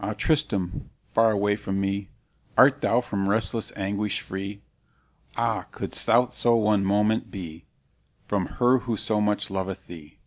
"Ah, Tristram' far away from me, Art thou from restless anguish free? Ah! couldst thou so one moment be, From her who so much loveth thee?"